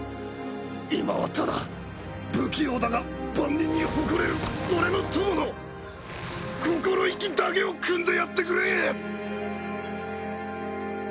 今はただ不器用だが万人に誇れる俺の友の心意気だけをくんでやってくれ！